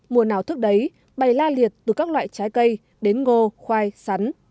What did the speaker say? mùa nào thức đấy bày la liệt từ các loại trái cây đến ngô khoai sắn